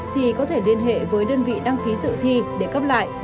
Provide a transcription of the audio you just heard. thì có thể liên hệ với đơn vị đăng ký dự thi để cấp lại